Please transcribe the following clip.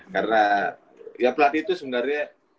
karena ya pelatih itu sebenarnya